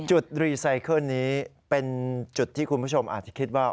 รีไซเคิลนี้เป็นจุดที่คุณผู้ชมอาจจะคิดว่า